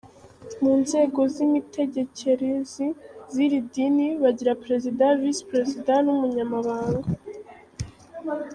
Mu nzego z’imitegekerezi z’iri dini bagira Perezida, Visi Perezida n’Umunyamabanga.